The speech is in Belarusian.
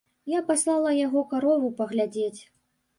Я паслала яго карову паглядзець.